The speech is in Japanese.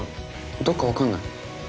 どっか分かんない？